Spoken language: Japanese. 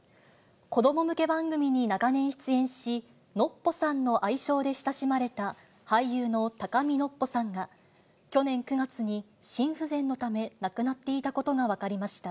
子ども向け番組に長年出演し、ノッポさんの愛称で親しまれた、俳優の高見のっぽさんが、去年９月に心不全のため、亡くなっていたことが分かりました。